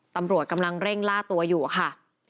ตำรวจกำลังเร่งล่าตัวอยู่ค่ะ